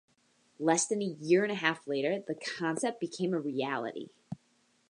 Less than a year and half later, the concept became a reality.